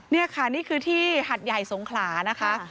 นี่ค่ะนี่คือที่หัดใหญ่สงขลานะคะ